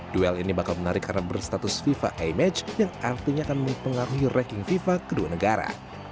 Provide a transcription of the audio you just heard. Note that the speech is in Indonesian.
duel ini bakal menarik karena berstatus fifa a match yang artinya akan mempengaruhi ranking fifa kedua negara